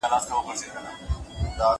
زه له سهاره مېوې راټولوم؟!